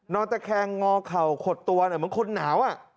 ตะแคงงอเข่าขดตัวเหมือนคนหนาว